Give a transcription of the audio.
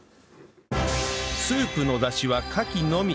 スープのダシはカキのみ